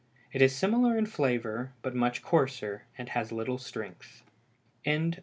It is similar in flavor, but much coarser, and has little strength. XXIV.